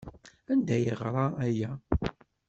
Anda ay yeɣra aya?